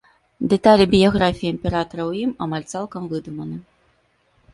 Дэталі біяграфіі імператара ў ім амаль цалкам выдуманы.